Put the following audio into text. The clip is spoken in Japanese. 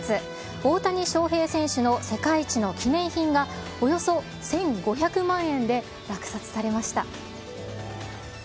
大谷翔平選手の世界一の記念品が、およそ１５００万円で落札されました。